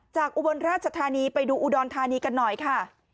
อุบลราชธานีไปดูอุดรธานีกันหน่อยค่ะ